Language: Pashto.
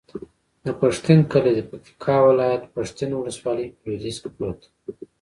د پښتین کلی د پکتیکا ولایت، پښتین ولسوالي په لویدیځ کې پروت دی.